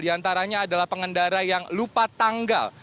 di antaranya adalah pengendara yang lupa tanggal